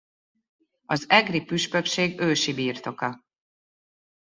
Az egri püspökség ősi birtoka.